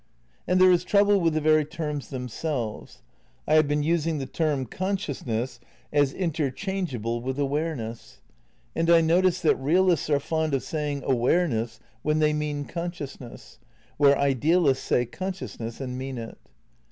And there is trouble with the very terms themselves. I have been using the term "consciousness" as inter changeable with '' awareness. '' And I notice that real ists are fond of saying "awareness" when they mean consciousness, where idealists say consciousness and mean it.